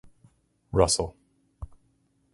Russell.